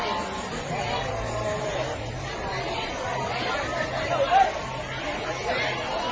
เอามี่จอกทำให้จะว่ะ